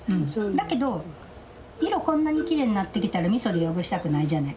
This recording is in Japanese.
だけど色こんなにきれいになってきたらみそで汚したくないじゃない。